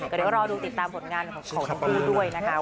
ก็เดี๋ยวรอดูติดตามผลงานของทั้งคู่ด้วยนะคะ